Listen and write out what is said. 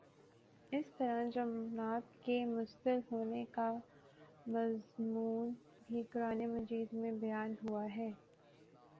اسی طرح جنات کے مسلط ہونے کا مضمون بھی قرآنِ مجید میں بیان ہوا ہے